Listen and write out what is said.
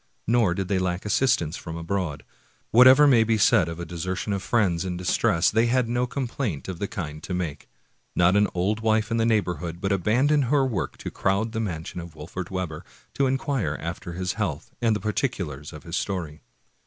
Nor did they lack assistance from abroad. Whatever may be said of the desertion of friends in dis > A piratical vessel. 217 American Mystery Stories tress, they had no complaint of the kind to make. Not an old wife of the neighborhood but abandoned her work to crowd to the mansion of Wolfert Webber, to inquire after his health and the particulars of his story.